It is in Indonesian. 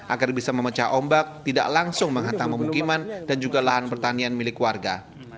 agar bisa memecah ombak tidak langsung menghantam pemukiman dan juga lahan pertanian milik warga